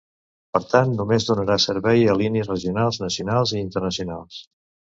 Per tant només donarà servei a línies regionals, nacionals i internacionals.